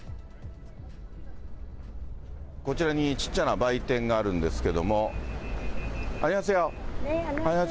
こちらに小っちゃな売店があるんですけれども、アニョハセヨ。